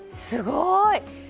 すごい！